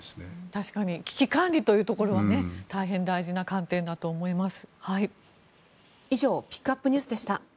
確かに危機管理というところは大変大事な観点だと思います。